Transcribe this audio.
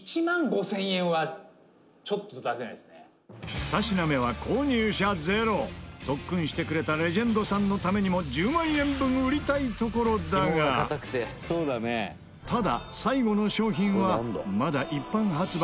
２品目は購入者ゼロ特訓してくれたレジェンドさんのためにも１０万円分売りたいところだがただ、最後の商品はまだ一般発売